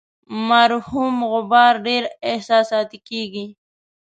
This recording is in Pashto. مرحوم غبار ډیر احساساتي کیږي.